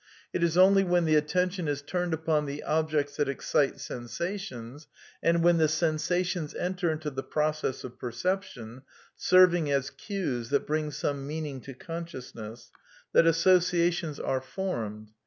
It is only when the attention is turned upon the objects that excite sensations, and when the sensations enter into the process of perception (serving as cues that bring some meaning to consciousness) that associations are 90 A DEFENCE OF IDEALISM formed.